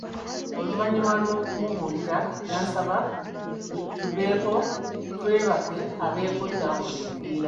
Oluvannyuma lw'okumubuulira yansaba twebake abeeko ky'akola enkeera.